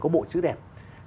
có bộ chữ đẹp